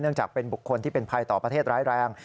จากเป็นบุคคลที่เป็นภัยต่อประเทศร้ายแรง